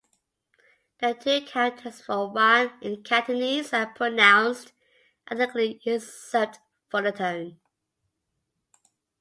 The two characters for "Wan" in Cantonese are pronounced identically except for the tone.